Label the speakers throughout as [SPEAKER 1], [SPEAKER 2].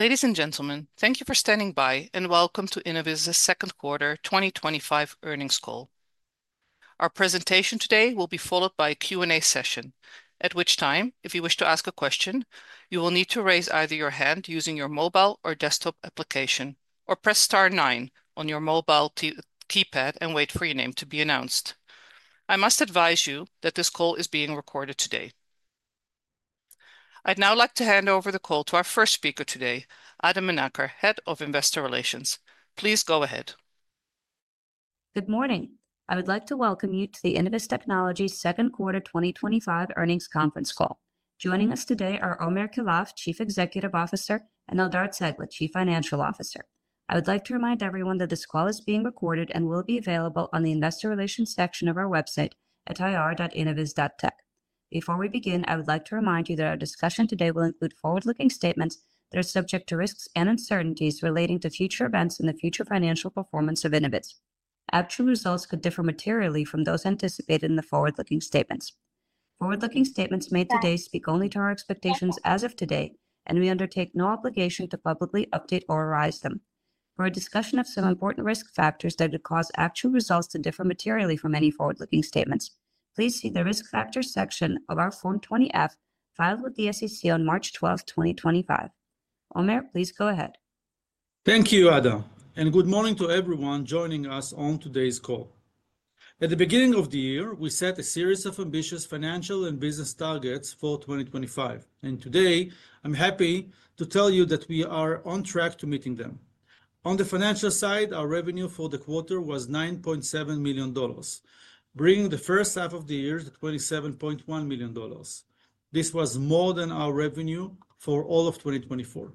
[SPEAKER 1] Ladies and gentlemen, thank you for standing by and welcome to Innoviz's Second Quarter 2025 Earnings Call. Our presentation today will be followed by a Q&A session, at which time, if you wish to ask a question, you will need to raise either your hand using your mobile or desktop application, or press star nine on your mobile keypad and wait for your name to be announced. I must advise you that this call is being recorded today. I'd now like to hand over the call to our first speaker today, Ada Menaker, Head of Investor Relations. Please go ahead.
[SPEAKER 2] Good morning. I would like to welcome you to the Innoviz Technologies Second Quarter 2025 Earnings Conference Call. Joining us today are Omer Keilaf, Chief Executive Officer, and Eldar Cegla, Chief Financial Officer. I would like to remind everyone that this call is being recorded and will be available on the Investor Relations section of our website at ir.innoviz.tech. Before we begin, I would like to remind you that our discussion today will include forward-looking statements that are subject to risks and uncertainties relating to future events in the future financial performance of Innoviz. Actual results could differ materially from those anticipated in the forward-looking statements. Forward-looking statements made today speak only to our expectations as of today, and we undertake no obligation to publicly update or revise them. For a discussion of some important risk factors that could cause actual results to differ materially from any forward-looking statements, please see the risk factors section of our Form 20-F filed with the SEC on March 12, 2025. Omer, please go ahead.
[SPEAKER 3] Thank you, Ada, and good morning to everyone joining us on today's call. At the beginning of the year, we set a series of ambitious financial and business targets for 2025, and today I'm happy to tell you that we are on track to meeting them. On the financial side, our revenue for the quarter was $9.7 million, bringing the first half of the year to $27.1 million. This was more than our revenue for all of 2024.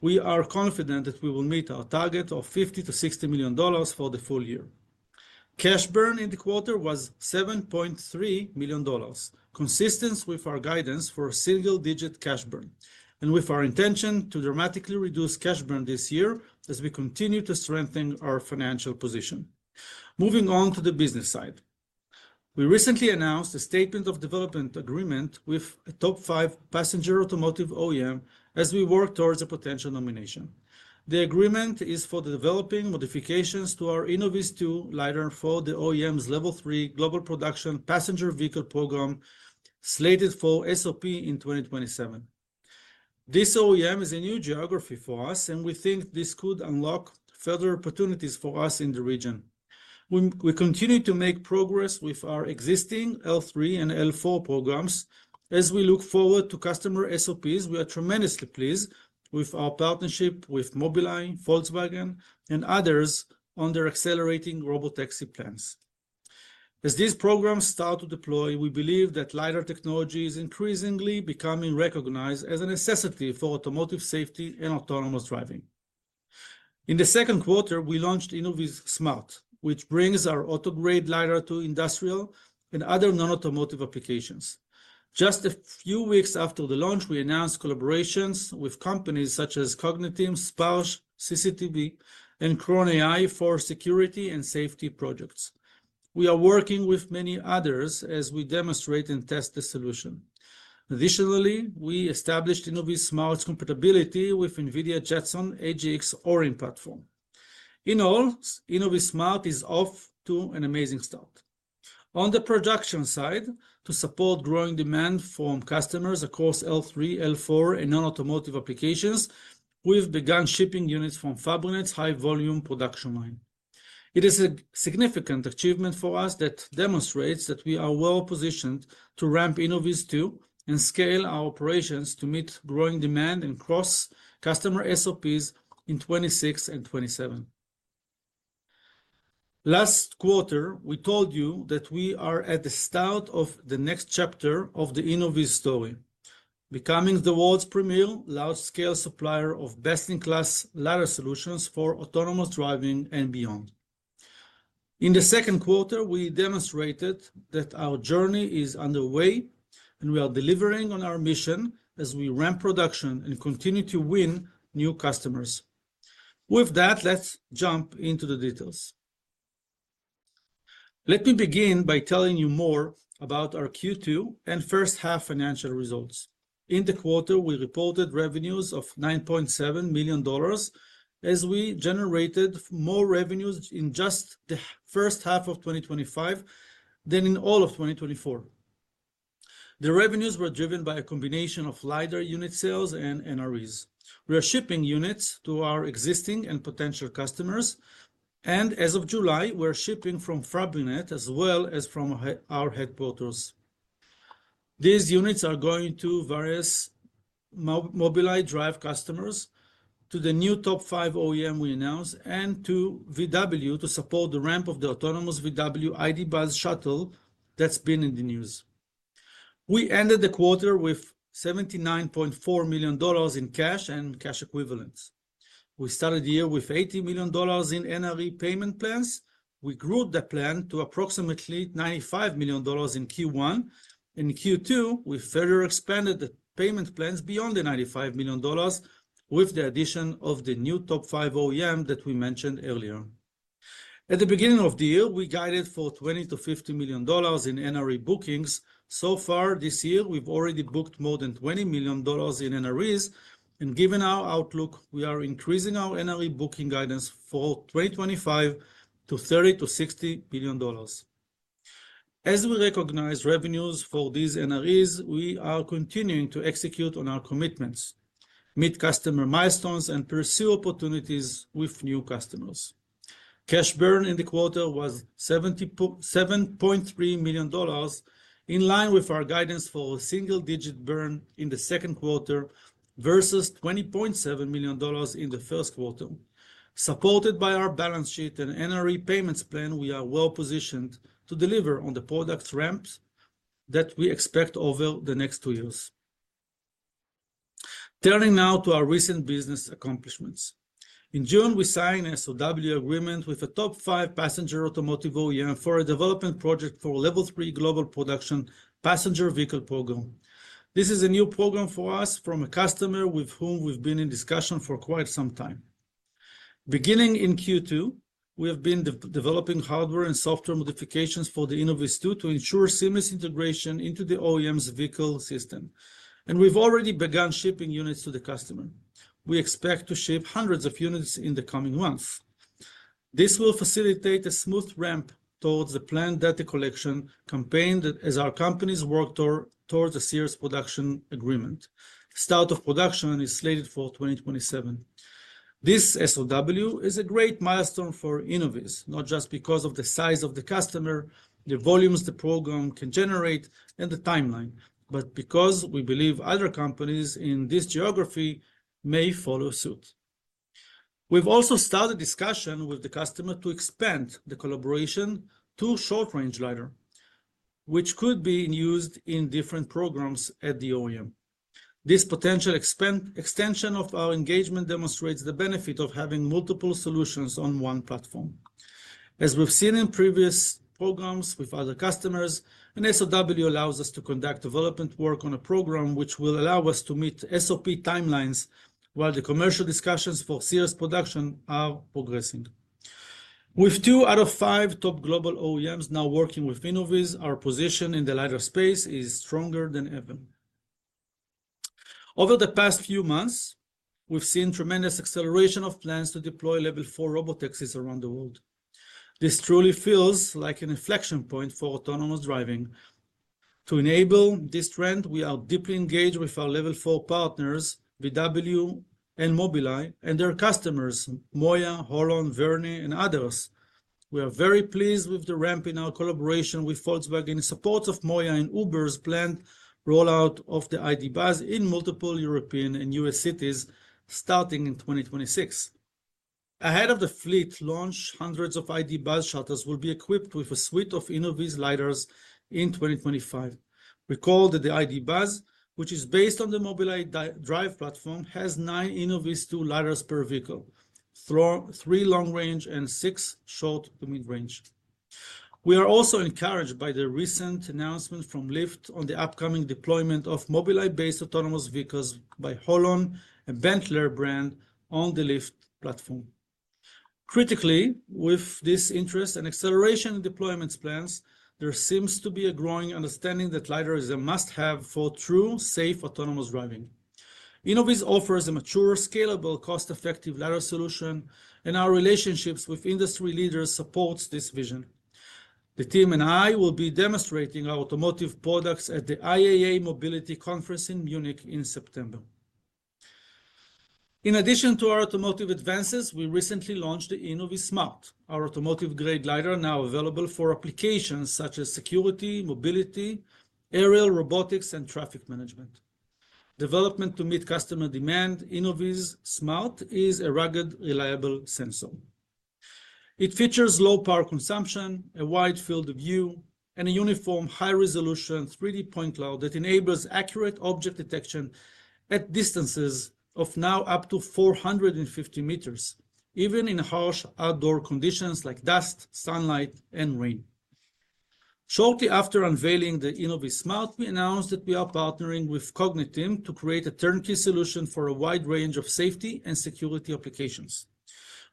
[SPEAKER 3] We are confident that we will meet our target of $50 to $60 million for the full year. Cash burn in the quarter was $7.3 million, consistent with our guidance for a single-digit cash burn, and with our intention to dramatically reduce cash burn this year as we continue to strengthen our financial position. Moving on to the business side, we recently announced a Statement of Development agreement with a top five passenger automotive OEM as we work towards a potential nomination. The agreement is for developing modifications to our InnovizTwo LiDAR for the OEM's Level 3 global production passenger vehicle program, slated for SOP in 2027. This OEM is a new geography for us, and we think this could unlock further opportunities for us in the region. We continue to make progress with our existing L3 and L4 programs. As we look forward to customer SOPs, we are tremendously pleased with our partnership with Mobileye, Volkswagen, and others on their accelerating robotaxi plans. As these programs start to deploy, we believe that LiDAR technology is increasingly becoming recognized as a necessity for automotive safety and autonomous driving. In the second quarter, we launched InnovizSMART, which brings our automotive-grade LiDAR to industrial and other non-automotive applications. Just a few weeks after the launch, we announced collaborations with companies such as Cogniteam, Sparsh CCTV, and Cron AI for security and safety projects. We are working with many others as we demonstrate and test the solution. Additionally, we established InnovizSMART's compatibility with NVIDIA Jetson AGX Orin platform. In all, InnovizSMART is off to an amazing start. On the production side, to support growing demand from customers across Level 3, Level 4, and non-automotive applications, we've begun shipping units from Fabrinet's high-volume production line. It is a significant achievement for us that demonstrates that we are well positioned to ramp InnovizTwo and scale our operations to meet growing demand and cross customer SOPs in 2026 and 2027. Last quarter, we told you that we are at the start of the next chapter of the Innoviz story, becoming the world's premiere large-scale supplier of best-in-class LiDAR solutions for autonomous driving and beyond. In the second quarter, we demonstrated that our journey is underway, and we are delivering on our mission as we ramp production and continue to win new customers. With that, let's jump into the details. Let me begin by telling you more about our Q2 and first half financial results. In the quarter, we reported revenues of $9.7 million as we generated more revenues in just the first half of 2025 than in all of 2024. The revenues were driven by a combination of LiDAR unit sales and NREs. We are shipping units to our existing and potential customers, and as of July, we're shipping from Fabrinet as well as from our headquarters. These units are going to various Mobileye Drive customers, to the new top five OEM we announced, and to VW to support the ramp of the autonomous VW ID. Buzz shuttle that's been in the news. We ended the quarter with $79.4 million in cash and cash equivalents. We started the year with $80 million in NRE payment plans. We grew the plan to approximately $95 million in Q1, and in Q2, we further expanded the payment plans beyond the $95 million with the addition of the new top five OEM that we mentioned earlier. At the beginning of the year, we guided for $20 million-$50 million in NRE bookings. So far this year, we've already booked more than $20 million in NREs, and given our outlook, we are increasing our NRE booking guidance for 2025 to [$30 billion-$60 billion]. As we recognize revenues for these NREs, we are continuing to execute on our commitments, meet customer milestones, and pursue opportunities with new customers. Cash burn in the quarter was [$7.3] million, in line with our guidance for a single-digit burn in the second quarter versus $20.7 million in the first quarter. Supported by our balance sheet and NRE payments plan, we are well positioned to deliver on the product ramps that we expect over the next two years. Turning now to our recent business accomplishments. In June, we signed an SOW agreement with a top five passenger automotive OEM for a development project for Level 3 Global Production Passenger Vehicle program. This is a new program for us from a customer with whom we've been in discussion for quite some time. Beginning in Q2, we have been developing hardware and software modifications for the InnovizTwo to ensure seamless integration into the OEM's vehicle system, and we've already begun shipping units to the customer. We expect to ship hundreds of units in the coming months. This will facilitate a smooth ramp towards the planned data collection campaign as our companies work towards a serious production agreement. Start of production is slated for 2027. This SOW is a great milestone for Innoviz, not just because of the size of the customer, the volumes the program can generate, and the timeline, but because we believe other companies in this geography may follow suit. We've also started discussion with the customer to expand the collaboration to short-range LiDAR, which could be used in different programs at the OEM. This potential extension of our engagement demonstrates the benefit of having multiple solutions on one platform. As we've seen in previous programs with other customers, an SOW allows us to conduct development work on a program which will allow us to meet SOP timelines while the commercial discussions for serious production are progressing. With two out of five top global OEMs now working with Innoviz, our position in the LiDAR space is stronger than ever. Over the past few months, we've seen tremendous acceleration of plans to deploy Level 4 robotaxis around the world. This truly feels like an inflection point for autonomous driving. To enable this trend, we are deeply engaged with our Level 4 partners, VW and Mobileye, and their customers, MOIA, Holon, Verne, and others. We are very pleased with the ramp in our collaboration with Volkswagen in support of MOIA and Uber's planned rollout of the ID. Buzz in multiple European and U.S. cities starting in 2026. Ahead of the fleet launch, hundreds of ID. Buzz shuttles will be equipped with a suite of Innoviz LiDARs in 2025. Recall that the ID. Buzz, which is based on the Mobileye Drive platform, has nine InnovizTwo LiDARs per vehicle: three long-range and six short to mid-range. We are also encouraged by the recent announcement from Lyft on the upcoming deployment of Mobileye-based autonomous vehicles by Holon and Bentley brand on the Lyft platform. Critically, with this interest and acceleration in deployment plans, there seems to be a growing understanding that LiDAR is a must-have for true, safe autonomous driving. Innoviz offers a mature, scalable, cost-effective LiDAR solution, and our relationships with industry leaders support this vision. The team and I will be demonstrating our automotive products at the IAA MOBILITY Conference in Munich in September. In addition to our automotive advances, we recently launched the InnovizSMART, our automotive-grade LiDAR now available for applications such as security, mobility, aerial robotics, and traffic management. Developed to meet customer demand, InnovizSMART is a rugged, reliable sensor. It features low power consumption, a wide field of view, and a uniform high-resolution 3D point cloud that enables accurate object detection at distances of now up to 450 m, even in harsh outdoor conditions like dust, sunlight, and rain. Shortly after unveiling the InnovizSMART, we announced that we are partnering with Cogniteam to create a turnkey solution for a wide range of safety and security applications.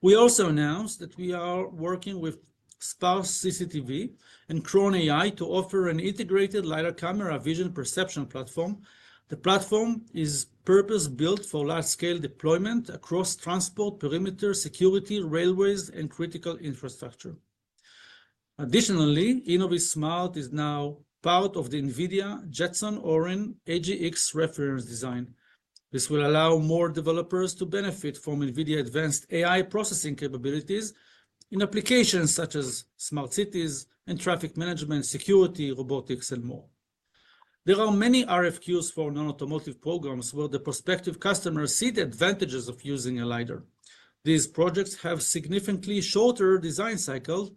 [SPEAKER 3] We also announced that we are working with Sparsh CCTV and Cron AI to offer an integrated LiDAR camera vision perception platform. The platform is purpose-built for large-scale deployment across transport perimeter, security, railways, and critical infrastructure. Additionally, InnovizSMART is now part of the NVIDIA Jetson AGX Orin reference design. This will allow more developers to benefit from NVIDIA advanced AI processing capabilities in applications such as smart cities and traffic management, security, robotics, and more. There are many RFQs for non-automotive programs where the prospective customers see the advantages of using a LiDAR. These projects have significantly shorter design cycles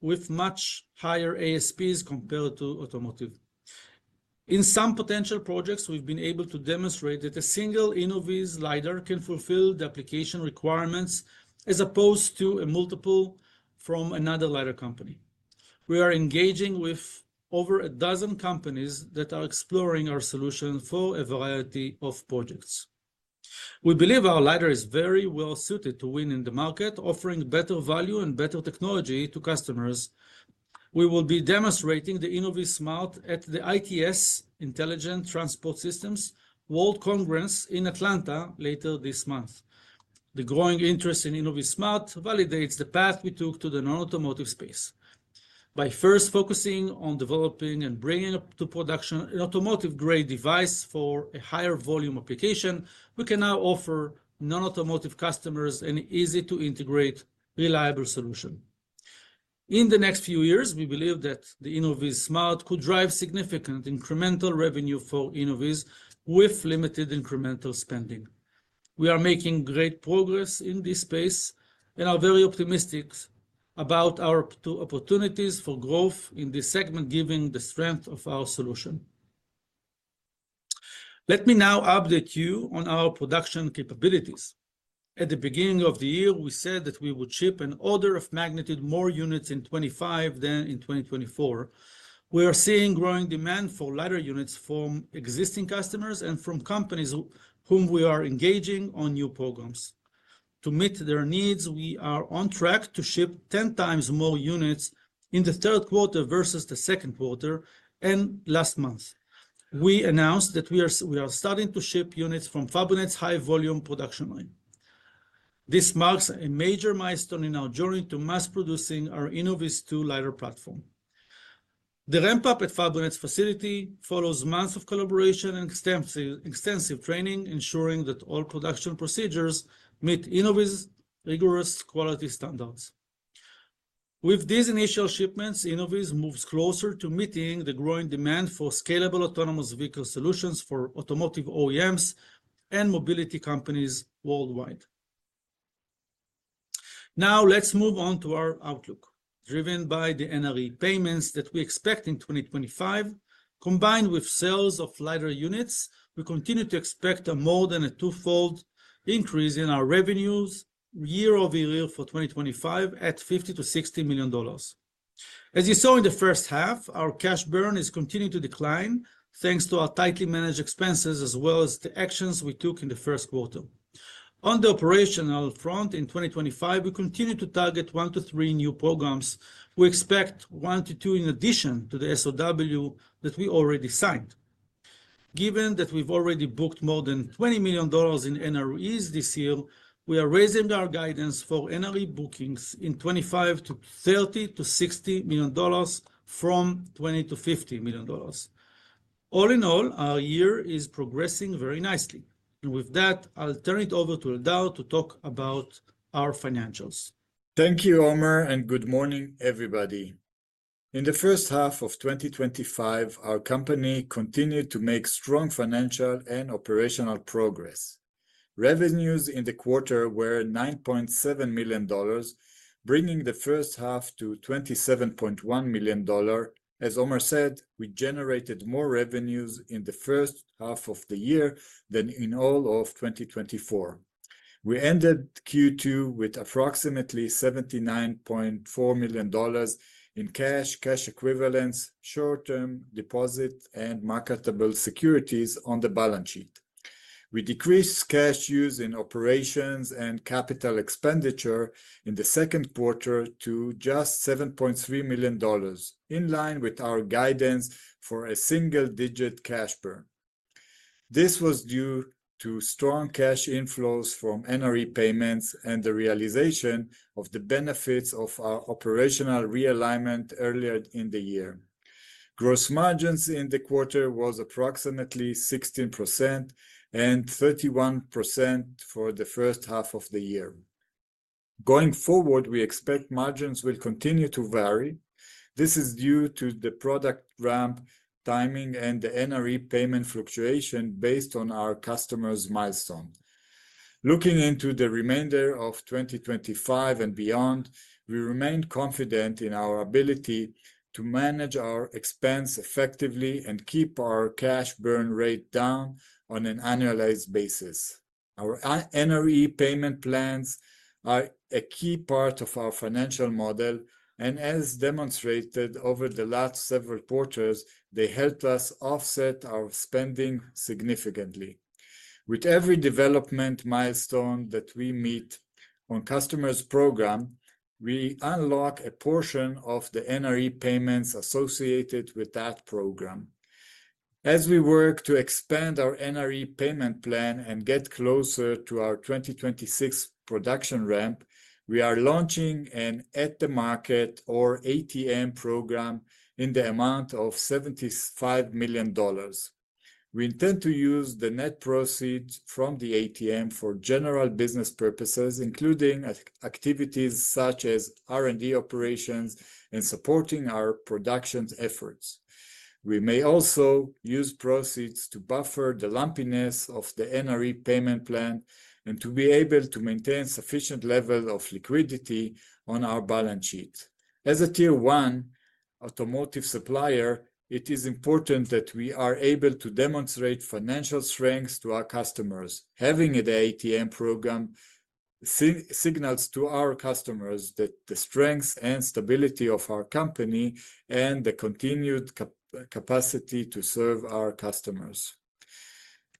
[SPEAKER 3] with much higher ASPs compared to automotive. In some potential projects, we've been able to demonstrate that a single Innoviz LiDAR can fulfill the application requirements as opposed to multiple from another LiDAR company. We are engaging with over a dozen companies that are exploring our solution for a variety of projects. We believe our LiDAR is very well suited to win in the market, offering better value and better technology to customers. We will be demonstrating the InnovizSMART at the ITS, Intelligent Transport Systems, World Congress in Atlanta later this month. The growing interest in InnovizSMART validates the path we took to the non-automotive space. By first focusing on developing and bringing to production an automotive-grade device for a higher volume application, we can now offer non-automotive customers an easy-to-integrate, reliable solution. In the next few years, we believe that the InnovizSMART could drive significant incremental revenue for Innoviz with limited incremental spending. We are making great progress in this space and are very optimistic about our opportunities for growth in this segment, given the strength of our solution. Let me now update you on our production capabilities. At the beginning of the year, we said that we would ship an order of magnitude more units in 2025 than in 2024. We are seeing growing demand for LiDAR units from existing customers and from companies whom we are engaging on new programs. To meet their needs, we are on track to ship 10X more units in the third quarter versus the second quarter and last month. We announced that we are starting to ship units from Fabrinet's high-volume production line. This marks a major milestone in our journey to mass-producing our InnovizTwo LiDAR platform. The ramp-up at Fabrinet's facility follows months of collaboration and extensive training, ensuring that all production procedures meet Innoviz's rigorous quality standards. With these initial shipments, Innoviz moves closer to meeting the growing demand for scalable autonomous vehicle solutions for automotive OEMs and mobility companies worldwide. Now, let's move on to our outlook. Driven by the NRE payments that we expect in 2025, combined with sales of LiDAR units, we continue to expect a more than a twofold increase in our revenues year-over-year for 2025 at $50 million-$60 million. As you saw in the first half, our cash burn is continuing to decline thanks to our tightly managed expenses as well as the actions we took in the First Quarter. On the operational front in 2025, we continue to target one to three new programs. We expect one to two in addition to the SOW that we already signed. Given that we've already booked more than $20 million in NREs this year, we are raising our guidance for NRE bookings in 2025 to $30 million-$60 million from $20 million-$50 million. All in all, our year is progressing very nicely. With that, I'll turn it over to Eldar to talk about our financials.
[SPEAKER 4] Thank you, Omer, and good morning, everybody. In the first half of 2025, our company continued to make strong financial and operational progress. Revenues in the quarter were $9.7 million, bringing the first half to $27.1 million. As Omer said, we generated more revenues in the first half of the year than in all of 2024. We ended Q2 with approximately $79.4 million in cash, cash equivalents, short-term deposits, and marketable securities on the balance sheet. We decreased cash use in operations and capital expenditure in the second quarter to just $7.3 million, in line with our guidance for a single-digit cash burn. This was due to strong cash inflows from NRE payments and the realization of the benefits of our operational realignment earlier in the year. Gross margins in the quarter were approximately 16% and 31% for the first half of the year. Going forward, we expect margins will continue to vary. This is due to the product ramp timing and the NRE payment fluctuation based on our customers' milestones. Looking into the remainder of 2025 and beyond, we remain confident in our ability to manage our expense effectively and keep our cash burn rate down on an annualized basis. Our NRE payment plans are a key part of our financial model, and as demonstrated over the last several quarters, they helped us offset our spending significantly. With every development milestone that we meet on customers' programs, we unlock a portion of the NRE payments associated with that program. As we work to expand our NRE payment plan and get closer to our 2026 production ramp, we are launching an at-the-market or ATM program in the amount of $75 million. We intend to use the net proceeds from the ATM for general business purposes, including activities such as R&D operations and supporting our production efforts. We may also use proceeds to buffer the lumpiness of the NRE payment plan and to be able to maintain a sufficient level of liquidity on our balance sheet. As a Tier 1 automotive supplier, it is important that we are able to demonstrate financial strength to our customers. Having an ATM program signals to our customers the strength and stability of our company and the continued capacity to serve our customers.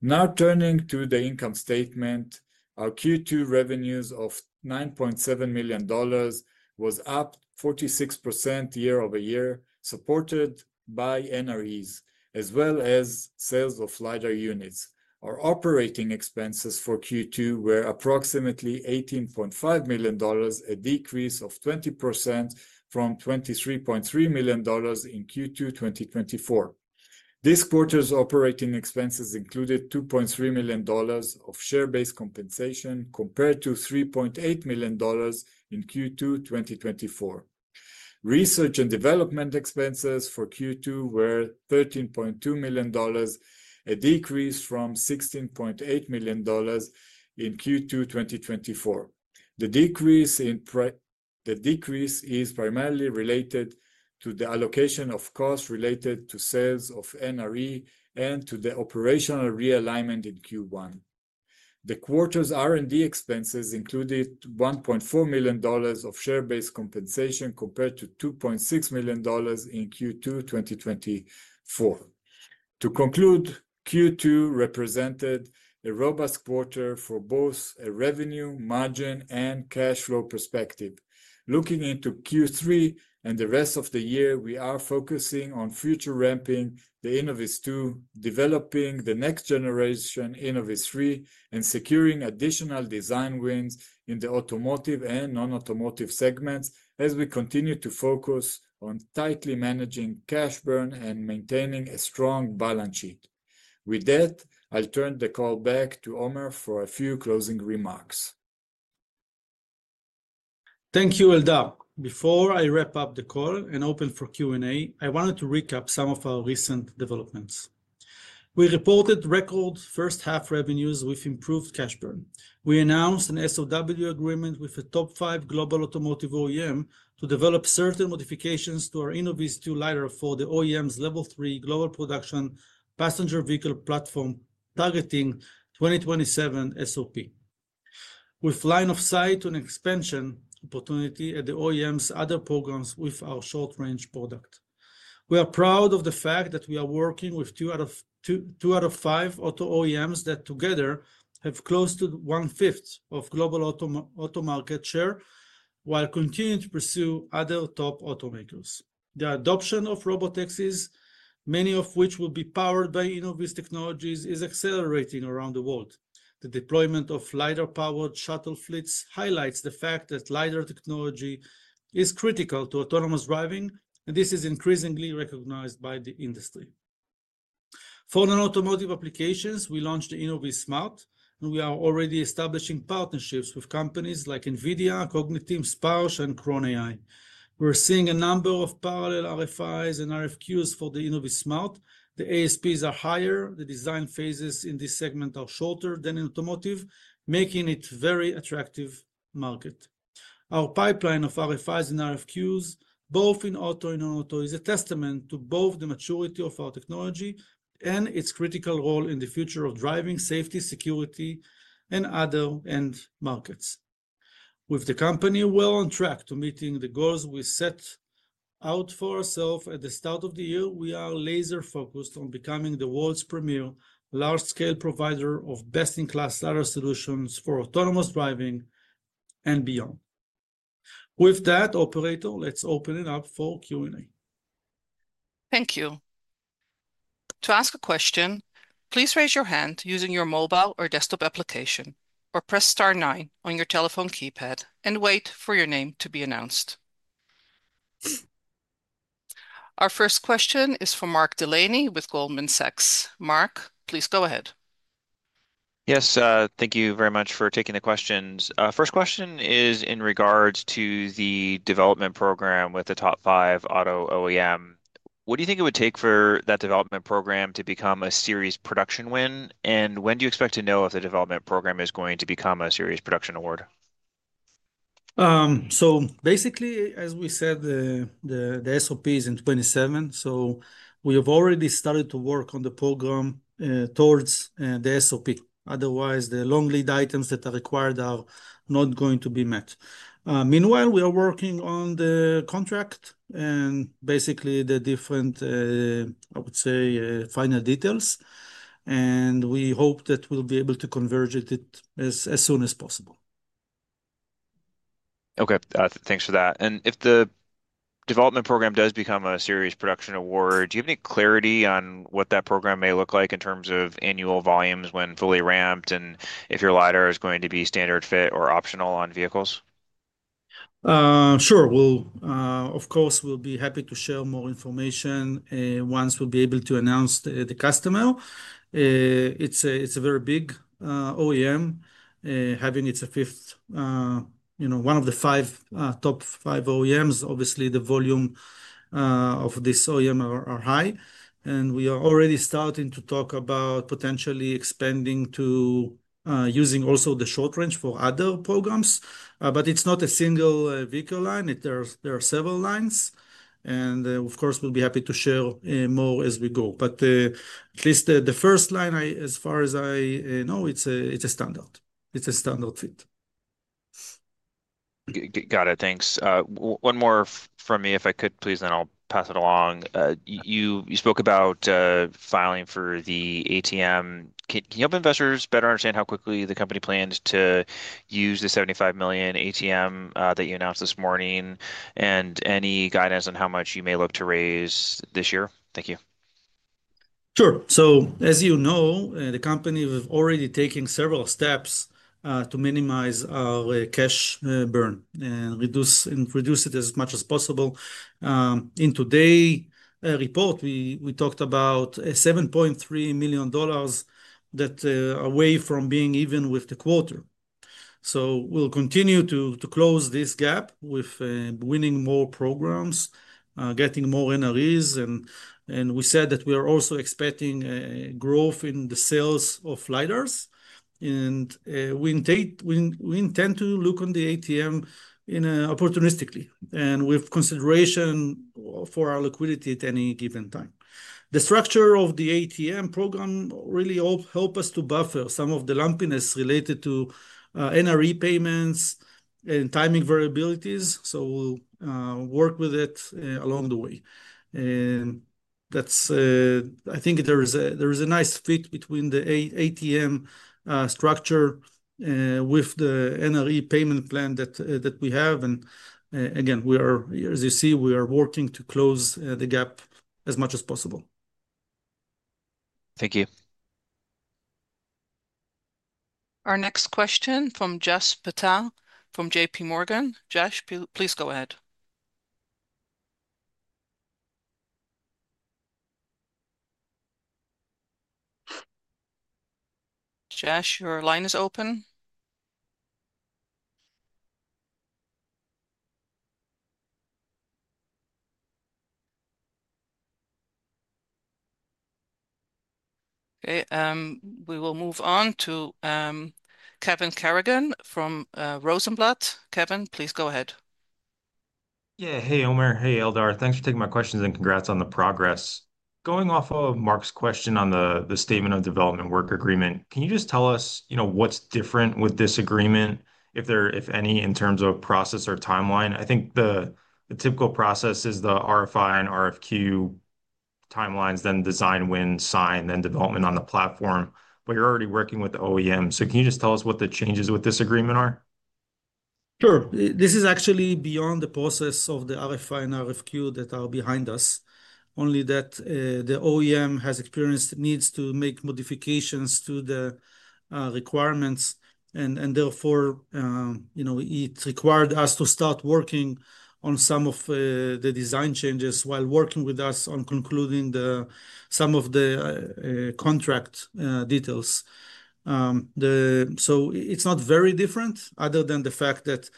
[SPEAKER 4] Now turning to the income statement, our Q2 revenues of $9.7 million was up 46% year-over-year, supported by NREs as well as sales of LiDAR units. Our operating expenses for Q2 were approximately $18.5 million, a decrease of 20% from $23.3 million in Q2 2024. This quarter's operating expenses included $2.3 million of share-based compensation compared to $3.8 million in Q2 2024. Research and development expenses for Q2 were $13.2 million, a decrease from $16.8 million in Q2 2024. The decrease is primarily related to the allocation of costs related to sales of NRE and to the operational realignment in Q1. The quarter's R&D expenses included $1.4 million of share-based compensation compared to $2.6 million in Q2 2024. To conclude, Q2 represented a robust quarter from both a revenue, margin, and cash flow perspective. Looking into Q3 and the rest of the year, we are focusing on future ramping the InnovizTwo, developing the next generation InnovizThree, and securing additional design wins in the automotive and non-automotive segments as we continue to focus on tightly managing cash burn and maintaining a strong balance sheet. With that, I'll turn the call back to Omer for a few closing remarks.
[SPEAKER 3] Thank you, Eldar. Before I wrap up the call and open for Q&A, I wanted to recap some of our recent developments. We reported record first-half revenues with improved cash burn. We announced an SOW agreement with a top five global automotive OEM to develop certain modifications to our InnovizTwo LiDAR for the OEM's Level 3 global production passenger vehicle platform targeting 2027 SOP, with line of sight to an expansion opportunity at the OEM's other programs with our short-range product. We are proud of the fact that we are working with two out of five auto OEMs that together have close to one-fifth of global auto market share while continuing to pursue other top automakers. The adoption of robotaxis, many of which will be powered by Innoviz Technologies, is accelerating around the world. The deployment of LiDAR-powered shuttle fleets highlights the fact that LiDAR technology is critical to autonomous driving, and this is increasingly recognized by the industry. For non-automotive applications, we launched the InnovizSMART, and we are already establishing partnerships with companies like NVIDIA, Cogniteam, Sparsh, and Cron AI. We're seeing a number of parallel RFIs and RFQs for the InnovizSMART. The ASPs are higher, and the design phases in this segment are shorter than in automotive, making it a very attractive market. Our pipeline of RFIs and RFQs, both in auto and non-auto, is a testament to both the maturity of our technology and its critical role in the future of driving, safety, security, and other end markets. With the company well on track to meeting the goals we set out for ourselves at the start of the year, we are laser-focused on becoming the world's premier large-scale provider of best-in-class LiDAR solutions for autonomous driving and beyond. With that, operator, let's open it up for Q&A.
[SPEAKER 1] Thank you. To ask a question, please raise your hand using your mobile or desktop application or press star nine on your telephone keypad and wait for your name to be announced. Our first question is for Mark Delaney with Goldman Sachs. Mark, please go ahead.
[SPEAKER 5] Yes, thank you very much for taking the questions. First question is in regards to the development program with the top five auto OEM. What do you think it would take for that development program to become a serious production win? When do you expect to know if the development program is going to become a serious production award?
[SPEAKER 3] As we said, the SOP is in 2027, so we have already started to work on the program towards the SOP. Otherwise, the long lead items that are required are not going to be met. Meanwhile, we are working on the contract and the different, I would say, final details, and we hope that we'll be able to converge it as soon as possible.
[SPEAKER 5] Thank you for that. If the development program does become a serious production award, do you have any clarity on what that program may look like in terms of annual volumes when fully ramped, and if your LiDAR is going to be standard fit or optional on vehicles?
[SPEAKER 3] Sure. Of course, we'll be happy to share more information once we'll be able to announce the customer. It's a very big OEM, having its fifth, you know, one of the top five OEMs. Obviously, the volume of this OEM is high, and we are already starting to talk about potentially expanding to using also the short range for other programs. It's not a single vehicle line, there are several lines. Of course, we'll be happy to share more as we go. At least the first line, as far as I know, it's a standard. It's a standard fit.
[SPEAKER 5] Got it. Thanks. One more from me, if I could please, and I'll pass it along. You spoke about filing for the ATM. Can you help investors better understand how quickly the company plans to use the $75 million ATM that you announced this morning, and any guidance on how much you may look to raise this year? Thank you.
[SPEAKER 3] Sure. As you know, the company has already taken several steps to minimize our cash burn and reduce it as much as possible. In today's report, we talked about $7.3 million that are away from being even with the quarter. We'll continue to close this gap with winning more programs, getting more NREs, and we said that we are also expecting growth in the sales of LiDARs. We intend to look on the ATM opportunistically and with consideration for our liquidity at any given time. The structure of the ATM program really helps us to buffer some of the lumpiness related to NRE payments and timing variabilities. We'll work with it along the way. I think there is a nice fit between the ATM structure with the NRE payment plan that we have. As you see, we are working to close the gap as much as possible.
[SPEAKER 5] Thank you.
[SPEAKER 1] Our next question from Jash Patwa from JPMorgan. Jash, please go ahead. Jash, your line is open. Okay, we will move on to Kevin Garrigan from Rosenblatt. Kevin, please go ahead.
[SPEAKER 6] Yeah, hey Omer, hey Eldar. Thanks for taking my questions and congrats on the progress. Going off of Mark's question on the statement on development work agreement, can you just tell us, you know, what's different with this agreement, if there are any, in terms of process or timeline? I think the typical process is the RFI and RFQ timelines, then design wins, sign, then development on the platform. You're already working with the OEM. Can you just tell us what the changes with this agreement are?
[SPEAKER 3] Sure. This is actually beyond the process of the RFI and RFQ that are behind us. Only that the OEM has experienced needs to make modifications to the requirements, and therefore, you know, it required us to start working on some of the design changes while working with us on concluding some of the contract details. It's not very different other than the fact that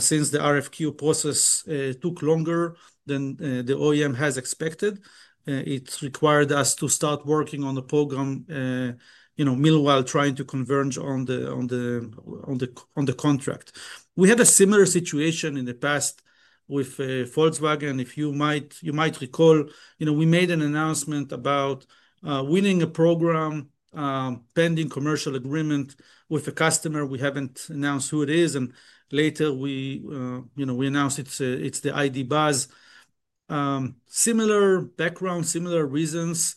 [SPEAKER 3] since the RFQ process took longer than the OEM has expected, it required us to start working on the program, you know, meanwhile trying to converge on the contract. We had a similar situation in the past with Volkswagen. If you might recall, you know, we made an announcement about winning a program pending commercial agreement with a customer. We haven't announced who it is, and later we, you know, we announced it's the ID. Buzz. Similar background, similar reasons.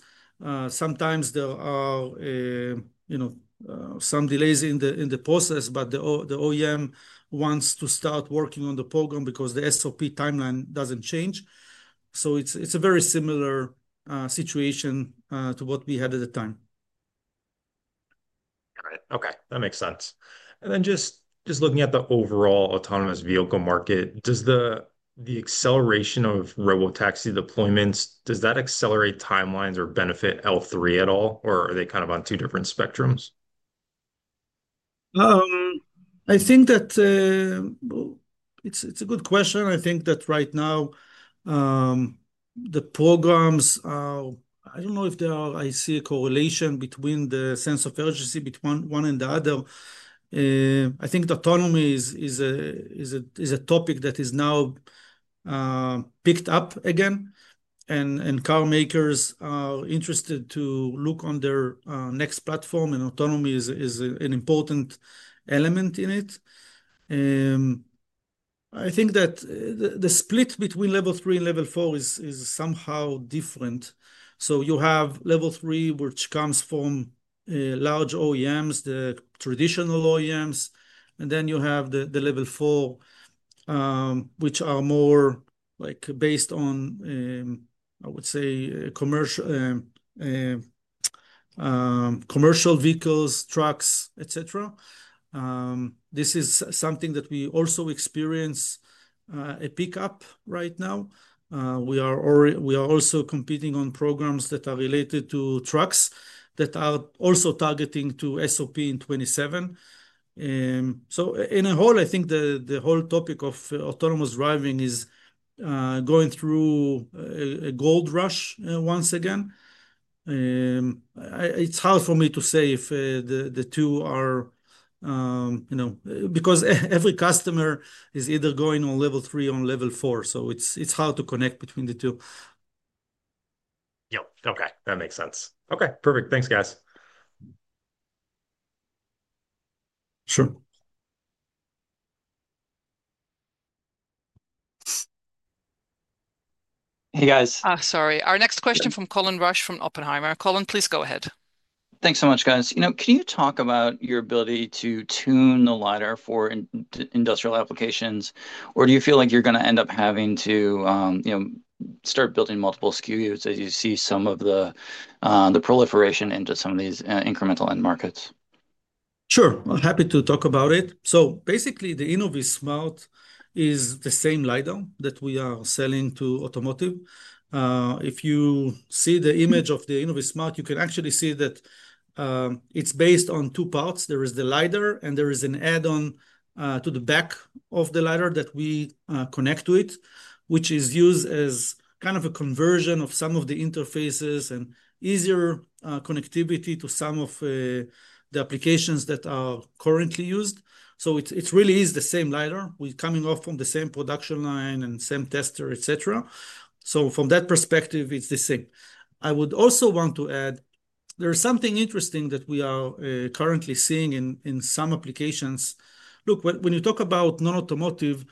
[SPEAKER 3] Sometimes there are, you know, some delays in the process, but the OEM wants to start working on the program because the SOP timeline doesn't change. It's a very similar situation to what we had at the time.
[SPEAKER 6] Got it. Okay, that makes sense. Just looking at the overall autonomous vehicle market, does the acceleration of robotaxi deployments accelerate timelines or benefit L3 at all, or are they kind of on two different spectrums?
[SPEAKER 3] I think that it's a good question. I think that right now the programs are, I don't know if there are, I see a correlation between the sense of urgency between one and the other. I think autonomy is a topic that is now picked up again, and car makers are interested to look on their next platform, and autonomy is an important element in it. I think that the split between Level 3 and Level 4 is somehow different. You have Level 3, which comes from large OEMs, the traditional OEMs, and then you have the Level 4, which are more like based on, I would say, commercial vehicles, trucks, et cetera. This is something that we also experience a pickup right now. We are also competing on programs that are related to trucks that are also targeting to SOP in 2027. In a whole, I think the whole topic of autonomous driving is going through a gold rush once again. It's hard for me to say if the two are, you know, because every customer is either going on Level 3 or on Level 4, so it's hard to connect between the two.
[SPEAKER 6] Yeah, okay, that makes sense. Okay, perfect. Thanks, guys.
[SPEAKER 3] Sure.
[SPEAKER 7] Hey guys.
[SPEAKER 1] Sorry, our next question from Colin Rusch from Oppenheimer. Colin, please go ahead.
[SPEAKER 7] Thanks so much, guys. Can you talk about your ability to tune the LiDAR for industrial applications, or do you feel like you're going to end up having to start building multiple SKUs as you see some of the proliferation into some of these incremental end markets?
[SPEAKER 3] Sure, I'm happy to talk about it. Basically, the InnovizSMART is the same LiDAR that we are selling to automotive. If you see the image of the InnovizSMART, you can actually see that it's based on two parts. There is the LiDAR, and there is an add-on to the back of the LiDAR that we connect to it, which is used as kind of a conversion of some of the interfaces and easier connectivity to some of the applications that are currently used. It really is the same LiDAR. We're coming off from the same production line and same tester, et cetera. From that perspective, it's the same. I would also want to add, there is something interesting that we are currently seeing in some applications. When you talk about non-automotive,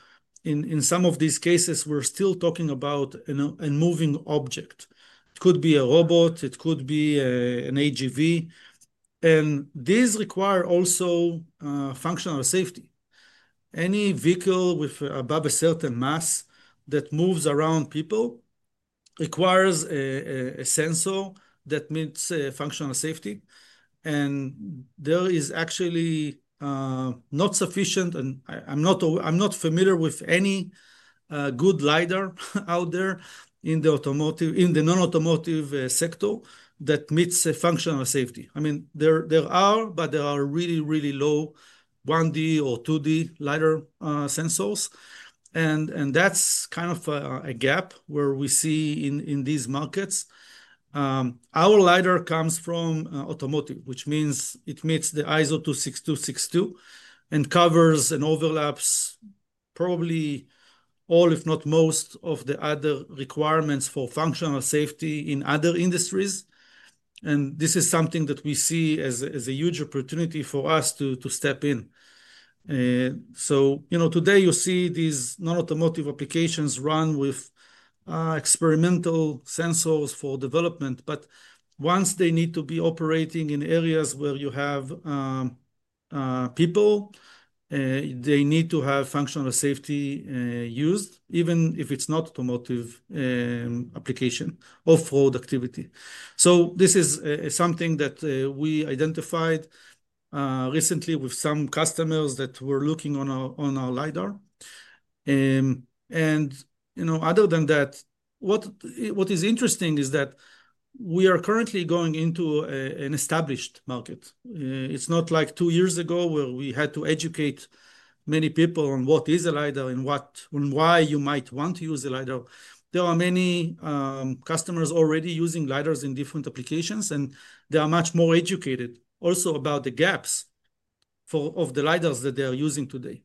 [SPEAKER 3] in some of these cases, we're still talking about a moving object. It could be a robot, it could be an AGV, and these require also functional safety. Any vehicle with above a certain mass that moves around people requires a sensor that meets functional safety, and there is actually not sufficient, and I'm not familiar with any good LiDAR out there in the non-automotive sector that meets functional safety. I mean, there are, but there are really, really low 1D or 2D LiDAR sensors, and that's kind of a gap where we see in these markets. Our LiDAR comes from automotive, which means it meets the ISO 26262 and covers and overlaps probably all, if not most, of the other requirements for functional safety in other industries, and this is something that we see as a huge opportunity for us to step in. Today you see these non-automotive applications run with experimental sensors for development, but once they need to be operating in areas where you have people, they need to have functional safety used, even if it's not an automotive application or road activity. This is something that we identified recently with some customers that were looking on our LiDAR. Other than that, what is interesting is that we are currently going into an established market. It's not like two years ago where we had to educate many people on what is a LiDAR and why you might want to use a LiDAR. There are many customers already using LiDARs in different applications, and they are much more educated also about the gaps of the LiDARs that they're using today.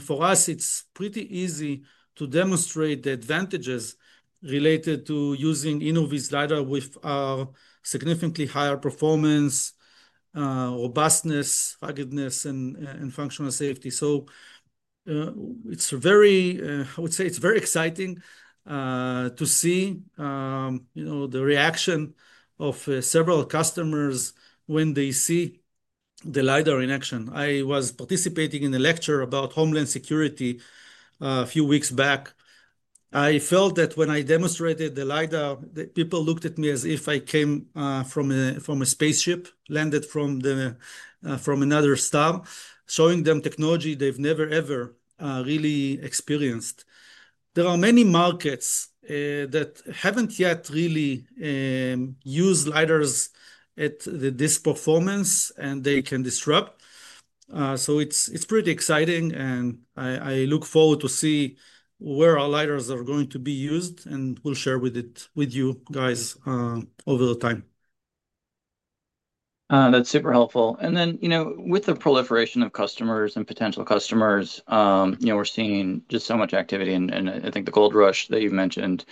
[SPEAKER 3] For us, it's pretty easy to demonstrate the advantages related to using Innoviz LiDAR with our significantly higher performance, robustness, ruggedness, and functional safety. It's very exciting to see the reaction of several customers when they see the LiDAR in action. I was participating in a lecture about Homeland Security a few weeks back. I felt that when I demonstrated the LiDAR, people looked at me as if I came from a spaceship, landed from another star, showing them technology they've never, ever really experienced. There are many markets that haven't yet really used LiDARs at this performance, and they can disrupt. It's pretty exciting, and I look forward to see where our LiDARs are going to be used, and we'll share with you guys over the time.
[SPEAKER 7] That's super helpful. With the proliferation of customers and potential customers, we're seeing just so much activity, and I think the gold rush that you've mentioned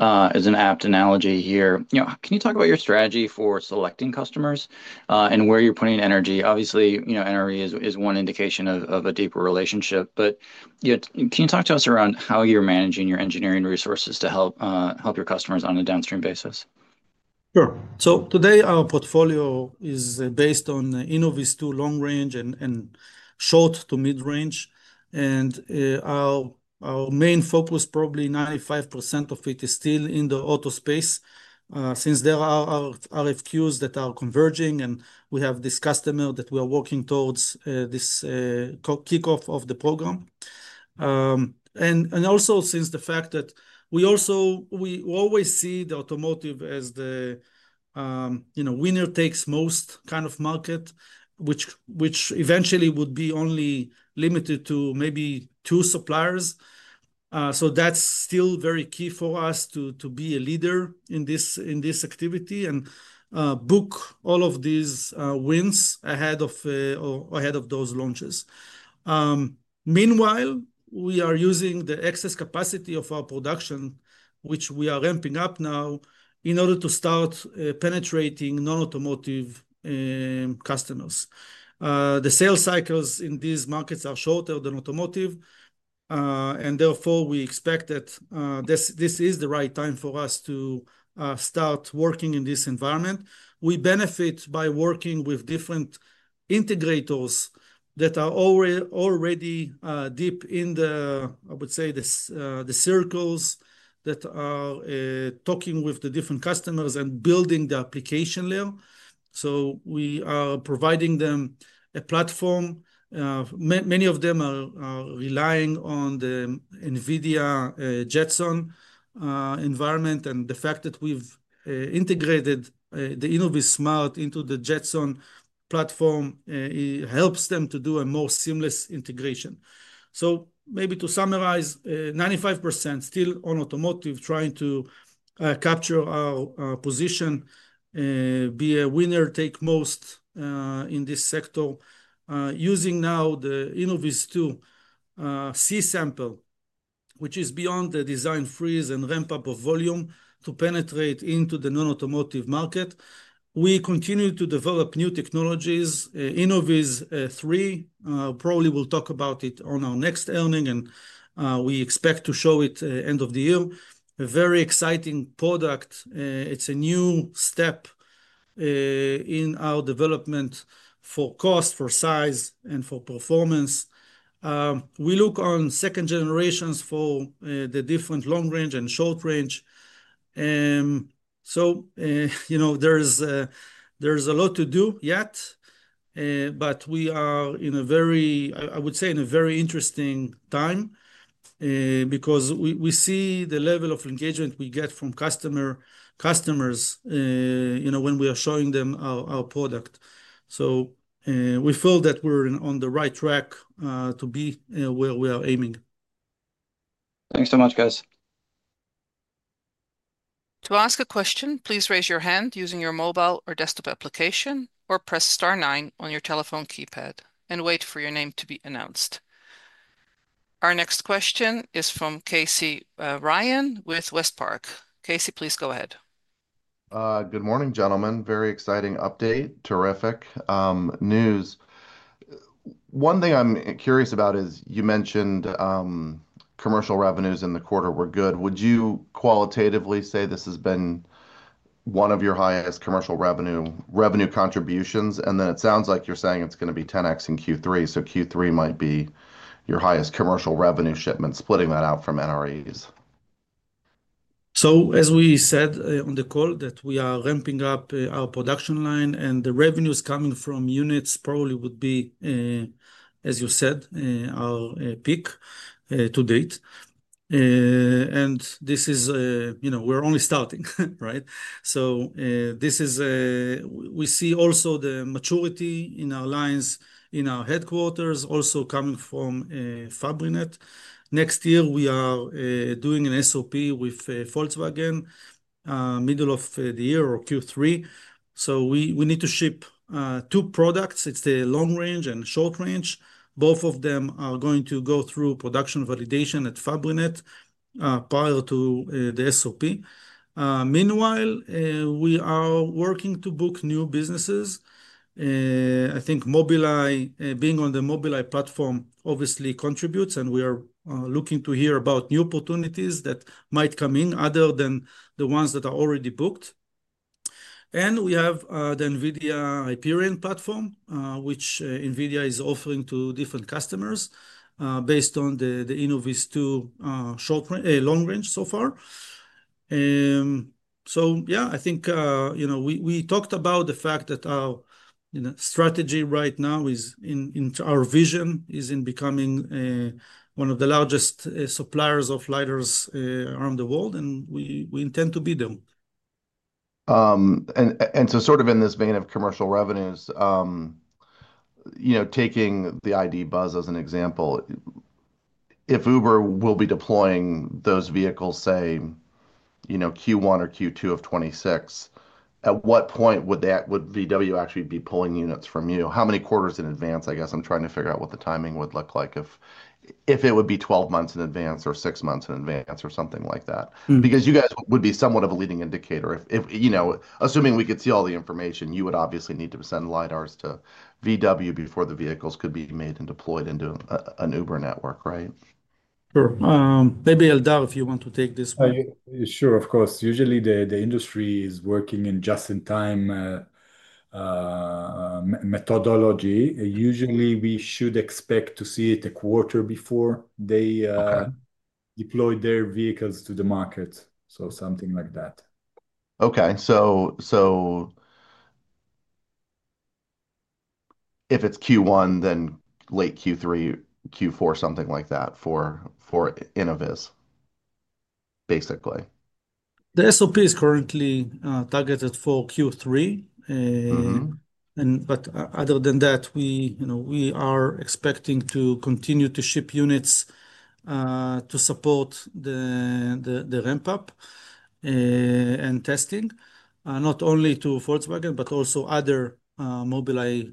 [SPEAKER 7] is an apt analogy here. Can you talk about your strategy for selecting customers and where you're putting energy? Obviously, NRE is one indication of a deeper relationship, but can you talk to us around how you're managing your engineering resources to help your customers on a downstream basis?
[SPEAKER 3] Sure. Today, our portfolio is based on InnovizTwo long range and short to mid-range, and our main focus, probably 95% of it, is still in the auto space since there are RFQs that are converging, and we have this customer that we are working towards this kickoff of the program. Also, since the fact that we also always see the automotive as the winner takes most kind of market, which eventually would be only limited to maybe two suppliers. That's still very key for us to be a leader in this activity and book all of these wins ahead of those launches. Meanwhile, we are using the excess capacity of our production, which we are ramping up now, in order to start penetrating non-automotive customers. The sales cycles in these markets are shorter than automotive, and therefore we expect that this is the right time for us to start working in this environment. We benefit by working with different integrators that are already deep in the, I would say, the circles that are talking with the different customers and building the application layer. We are providing them a platform. Many of them are relying on the NVIDIA Jetson environment, and the fact that we've integrated the InnovizSMART into the Jetson platform helps them to do a more seamless integration. Maybe to summarize, 95% still on automotive, trying to capture our position, be a winner take most in this sector, using now the InnovizTwo C-sample, which is beyond the design freeze and ramp-up of volume to penetrate into the non-automotive market. We continue to develop new technologies, InnovizThree. Probably we'll talk about it on our next earning, and we expect to show it end of the year. A very exciting product. It's a new step in our development for cost, for size, and for performance. We look on second generations for the different long range and short range. There's a lot to do yet, but we are in a very, I would say, in a very interesting time because we see the level of engagement we get from customers when we are showing them our product. We feel that we're on the right track to be where we are aiming.
[SPEAKER 7] Thanks so much, guys.
[SPEAKER 1] To ask a question, please raise your hand using your mobile or desktop application or press star nine on your telephone keypad and wait for your name to be announced. Our next question is from Casey Ryan with WestPark. Casey, please go ahead.
[SPEAKER 8] Good morning, gentlemen. Very exciting update. Terrific news. One thing I'm curious about is you mentioned commercial revenues in the quarter were good. Would you qualitatively say this has been one of your highest commercial revenue contributions? It sounds like you're saying it's going to be 10x in Q3. Q3 might be your highest commercial revenue shipment, splitting that out from NREs.
[SPEAKER 3] As we said on the call, we are ramping up our production line, and the revenues coming from units probably would be, as you said, our peak to date. This is, you know, we're only starting, right? We see also the maturity in our lines in our headquarters, also coming from Fabrinet. Next year, we are doing an SOP with Volkswagen, middle of the year or Q3. We need to ship two products. It's the long range and short range. Both of them are going to go through production validation at Fabrinet prior to the SOP. Meanwhile, we are working to book new businesses. I think Mobileye, being on the Mobileye platform, obviously contributes, and we are looking to hear about new opportunities that might come in other than the ones that are already booked. We have the NVIDIA Hyperion platform, which NVIDIA is offering to different customers based on the InnovizTwo long range so far. I think, you know, we talked about the fact that our strategy right now is in our vision is in becoming one of the largest suppliers of LiDARs around the world, and we intend to be them.
[SPEAKER 8] In this vein of commercial revenues, taking the ID. Buzz as an example, if Uber will be deploying those vehicles, say, Q1 or Q2 of 2026, at what point would VW actually be pulling units from you? How many quarters in advance? I guess I'm trying to figure out what the timing would look like, if it would be 12 months in advance or six months in advance or something like that. You guys would be somewhat of a leading indicator. If, assuming we could see all the information, you would obviously need to send LiDARs to VW before the vehicles could be made and deployed into an Uber network, right?
[SPEAKER 3] Sure. Maybe, Eldar, if you want to take this one.
[SPEAKER 4] Sure, of course. Usually, the industry is working in just-in-time methodology. Usually, we should expect to see it a quarter before they deploy their vehicles to the market, so something like that.
[SPEAKER 8] Okay. If it's Q1, then late Q3, Q4, something like that for Innoviz, basically.
[SPEAKER 3] The SOP is currently targeted for Q3. Other than that, we are expecting to continue to ship units to support the ramp-up and testing, not only to Volkswagen, but also other Mobileye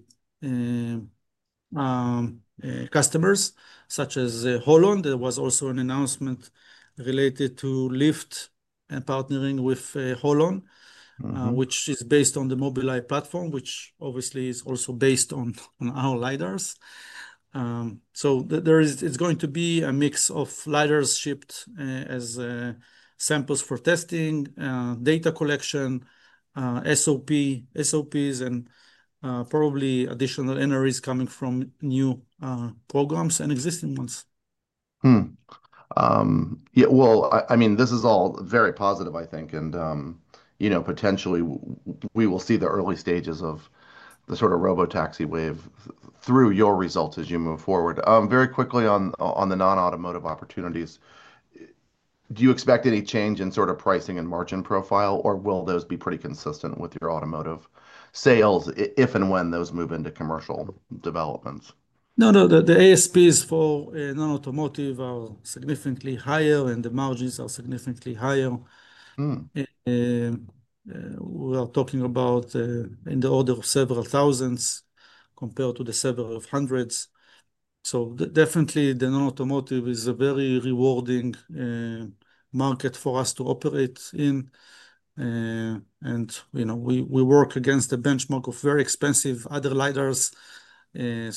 [SPEAKER 3] customers such as Holon. There was also an announcement related to Lyft and partnering with Holon, which is based on the Mobileye platform, which obviously is also based on our LiDARs. It is going to be a mix of LiDARs shipped as samples for testing, data collection, SOPs, and probably additional NREs coming from new programs and existing ones.
[SPEAKER 8] This is all very positive, I think. You know, potentially, we will see the early stages of the sort of robotaxi wave through your results as you move forward. Very quickly on the non-automotive opportunities, do you expect any change in sort of pricing and margin profile, or will those be pretty consistent with your automotive sales if and when those move into commercial development?
[SPEAKER 3] No, no. The ASPs for non-automotive are significantly higher, and the margins are significantly higher. We are talking about in the order of several thousands compared to the several hundreds. The non-automotive is a very rewarding market for us to operate in. You know, we work against the benchmark of very expensive other LiDARs, and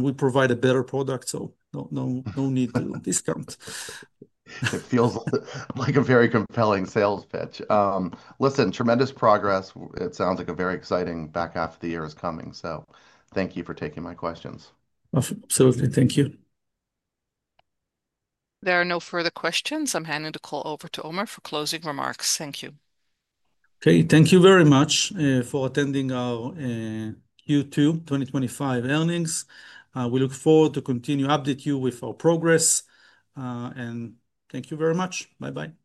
[SPEAKER 3] we provide a better product, so no need to discount.
[SPEAKER 8] It feels like a very compelling sales pitch. Listen, tremendous progress. It sounds like a very exciting back half of the year is coming. Thank you for taking my questions.
[SPEAKER 3] Absolutely. Thank you.
[SPEAKER 1] There are no further questions. I'm handing the call over to Omer for closing remarks. Thank you.
[SPEAKER 3] Okay. Thank you very much for attending our Q2 2025 earnings. We look forward to continue to update you with our progress. Thank you very much. Bye-bye.